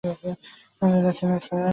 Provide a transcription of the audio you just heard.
আমি কোথাও যাচ্ছি না, স্যার।